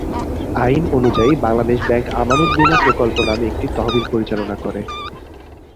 আইন অনুযায়ী বাংলাদেশ ব্যাংক আমানত বীমা প্রকল্প নামে একটি তহবিল পরিচালনা করে।